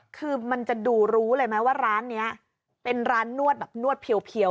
คือมันจะดูรู้เลยไหมว่าร้านนี้เป็นร้านนวดแบบนวดเพียว